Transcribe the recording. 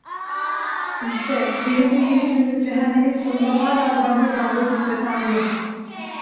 İşte, beni bu yirmi günlük cehennemin sonunda hala zangır zangır titreten bu…